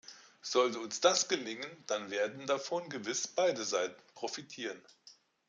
Sollte uns das gelingen, dann werden davon gewiss beide Seiten profitieren.